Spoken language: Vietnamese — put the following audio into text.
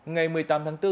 ngày một mươi tám tháng bốn